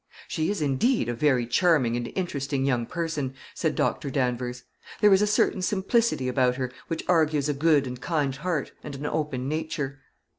"She is, indeed, a very charming and interesting young person," said Doctor Danvers. "There is a certain simplicity about her which argues a good and kind heart, and an open nature."